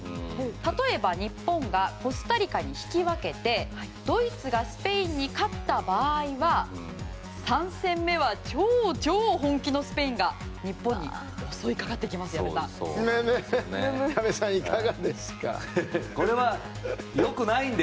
例えば、日本がコスタリカに引き分けてドイツがスペインに勝った場合は３戦目は超超本気のスペインが日本に襲いかかってきます、矢部さん。